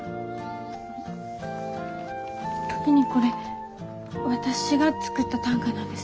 時にこれ私が作った短歌なんです。